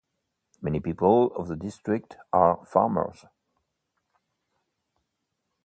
Many people of the district are farmers.